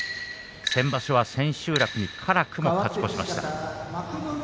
先場所は千秋楽に辛くも勝ち越しました。